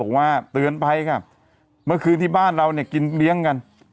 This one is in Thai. ว่าเตือนไปค่ะเมื่อคืนที่บ้านเราเนี่ยกินเลี้ยงกัน